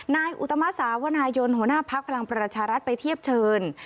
นายอุตมาศาสถ์พศหัวหน้าภักษ์พลังประราชารัฐไปเทียบเชิญ